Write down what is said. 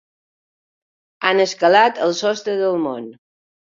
Han escalat el sostre del món.